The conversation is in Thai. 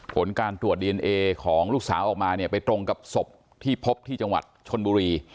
ผลการตรวจดีเอนเอของลูกสาวออกมาเนี่ยไปตรงกับศพที่พบที่จังหวัดชนบุรี